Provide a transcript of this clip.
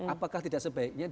apakah tidak sebaiknya